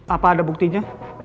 apa ada buktinya